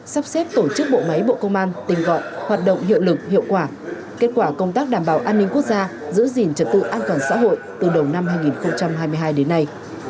sắp xếp tổ chức bộ máy bộ công an tình gọn hoạt động hiệu lực hiệu quả kết quả công tác đảm bảo an ninh quốc gia giữ gìn trật tự an toàn xã hội từ đầu năm hai nghìn hai mươi hai đến nay